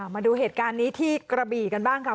มาดูเหตุการณ์นี้ที่กระบี่กันบ้างค่ะ